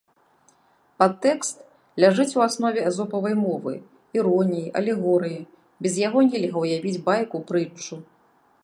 Падтэкст ляжыць у аснове эзопавай мовы, іроніі, алегорыі, без яго нельга ўявіць байку, прытчу.